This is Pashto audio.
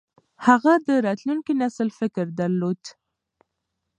هغه د راتلونکي نسل فکر درلود.